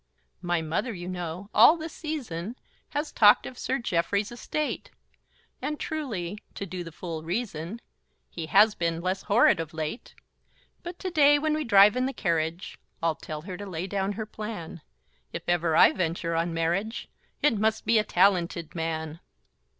My mother, you know, all the season, Has talked of Sir Geoffrey's estate; And truly, to do the fool reason, He has been less horrid of late. But today, when we drive in the carriage, I'll tell her to lay down her plan; If ever I venture on marriage, It must be a talented man!